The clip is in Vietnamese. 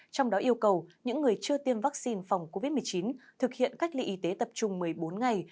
trong đó yêu cầu những người chưa tiêm vaccine phòng covid một mươi chín thực hiện cách ly y tế tập trung một mươi bốn ngày